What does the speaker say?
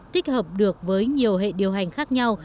tích hợp được với nhiều hệ điều hành khác nhau